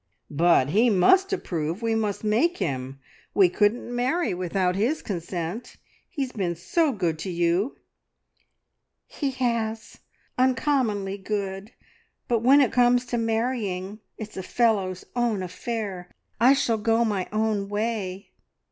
"But he must approve; we must make him. We couldn't marry without his consent. He's been so good to you!" "He has, uncommonly good; but when it comes to marrying, it's a fellow's own affair. I shall go my own way..."